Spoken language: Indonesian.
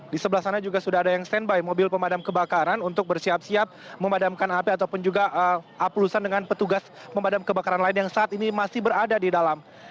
di sebelah sana juga sudah ada yang standby mobil pemadam kebakaran untuk bersiap siap memadamkan api ataupun juga aplusan dengan petugas pemadam kebakaran lain yang saat ini masih berada di dalam